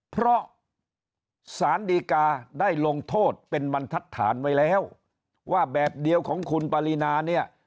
เพราะสารดีกาได้ลงโทษเป็นบรรทัศน์ไว้แล้วว่าแบบเดียวของคุณปรินาเนี่ย